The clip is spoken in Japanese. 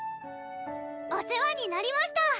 お世話になりました！